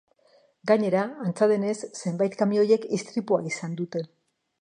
Gainera, antza denez, zenbait kamioiek istripua izan dute.